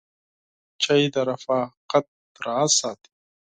چای د رفاقت راز ساتي.